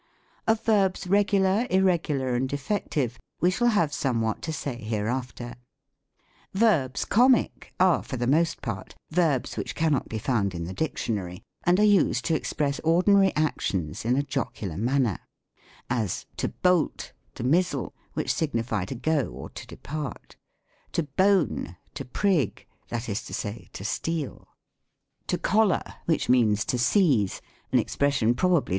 Of Verbs Regular, Irregular, and Defective, we shall have somewhat to say hereafter. Verbs Comic are, for the most part, verbs which cannot be found in the dictionary, and are used to ex press ordinary actions in a jocular manner ; as, to "bolt," to "mizzle," which signify to go or to depart; to "bone," to "prig," that is to say, to steal ; to "col tar," which means to seize, an expression probably 52 THE COMIC ENGLISH GRAMMAR.